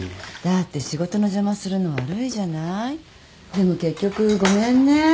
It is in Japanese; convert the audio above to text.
でも結局ごめんね。